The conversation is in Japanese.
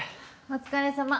お疲れさま。